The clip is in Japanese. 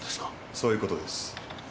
そういうことです。